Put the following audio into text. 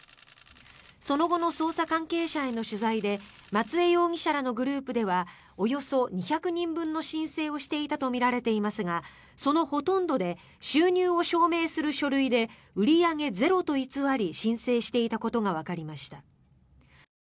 その後の捜査関係者への取材で松江容疑者らのグループではおよそ２００人分の申請をしていたとみられていますがそのほとんどで収入を証明する書類で売り上げゼロと偽り申請していたことがわかりました。